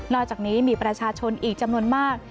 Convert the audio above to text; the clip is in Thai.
อกจากนี้มีประชาชนอีกจำนวนมาก